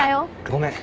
ごめん。